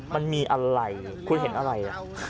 มันมีอะไรคุณเห็นอะไร